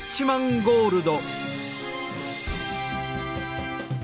ゴールド。